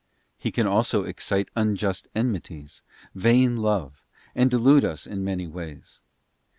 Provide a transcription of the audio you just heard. He can also excite unjust enmities, vain love, and delude us in many ways.